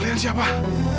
kalian kalian siapa